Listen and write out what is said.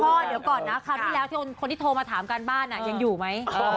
เดี๋ยวก่อนนะคราวที่แล้วที่คนที่โทรมาถามการบ้านยังอยู่ไหม